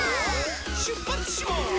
しゅっぱつします！